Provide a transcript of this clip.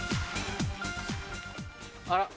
あら。